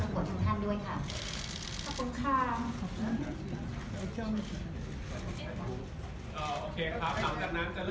ผู้ประกวดของท่านด้วยครับ